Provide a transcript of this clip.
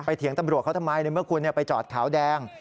เถียงตำรวจเขาทำไมในเมื่อคุณไปจอดขาวแดง